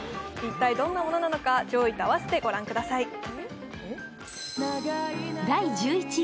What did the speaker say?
一体どんなものなのか上位と併せてご覧ください。